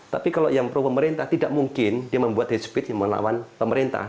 tapi kalau yang pro pemerintah tidak mungkin dia membuat hate speech yang melawan pemerintah